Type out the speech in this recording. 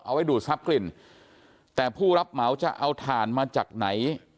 เอาไว้ดูดทรัพย์กลิ่นแต่ผู้รับเหมาจะเอาถ่านมาจากไหน